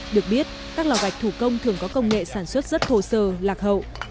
được biết các lò gạch thủ công thường có công nghệ sản xuất rất thô sơ lạc hậu